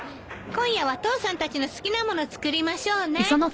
今夜は父さんたちの好きなもの作りましょうね。